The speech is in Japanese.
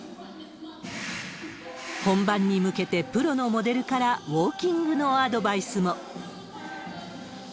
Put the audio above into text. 本番に向けて、プロのモデルからウォーキングのアドバイスも。